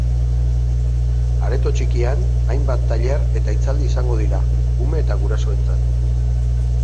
Areto txikian, hainbat tailer eta hitzaldi izango dira, ume eta gurasoentzat.